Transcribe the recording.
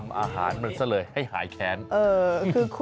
เอาล่ะเดินทางมาถึงในช่วงไฮไลท์ของตลอดกินในวันนี้แล้วนะครับ